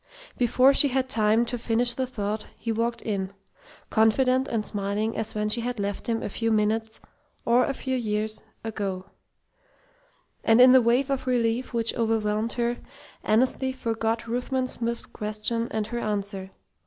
Before she had time to finish the thought, he walked in, confident and smiling as when she had left him a few minutes or a few years ago; and in the wave of relief which overwhelmed her, Annesley forgot Ruthven Smith's question and her answer.